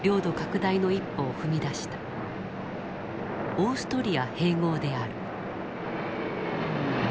オーストリア併合である。